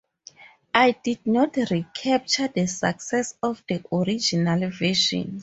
It did not recapture the success of the original version.